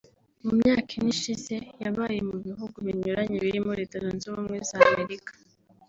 mu myaka ine ishize yabaye mu bihugu binyuranye birimo Leta Zunze Ubumwe za Amerika